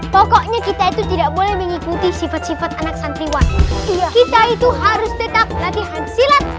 pokoknya kita itu tidak boleh mengikuti sifat sifat anak santriwan kita itu harus tetap latihan silat